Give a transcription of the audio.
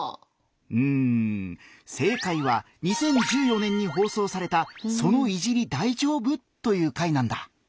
うん正解は２０１４年に放送された「その“いじり”、大丈夫？」という回なんだ。